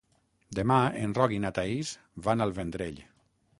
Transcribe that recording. Demà en Roc i na Thaís van al Vendrell.